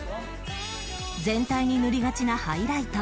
全体に塗りがちなハイライト